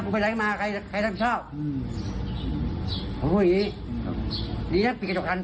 ครับ